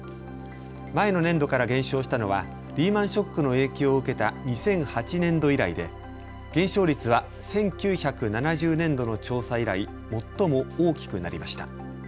前の年度から減少したのはリーマンショックの影響を受けた２００８年度以来で減少率は１９７０年度の調査以来、最も大きくなりました。